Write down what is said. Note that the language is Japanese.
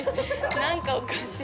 なんかおかしい。